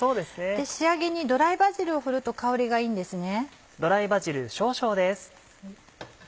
仕上げにドライバジルを振ると香りがいいんですね。